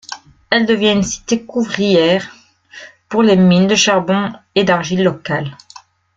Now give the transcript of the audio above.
Elle devient une cité ouvrière pour les mines de charbon et d'argile locales.